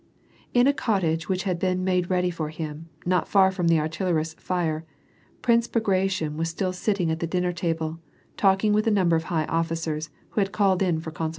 In a cottage which had been made ready for him, not far from the artillerist's tire, I^rince Bagration was still sitting at the dinner table, talking with a number of high officers, who had called in for consultation.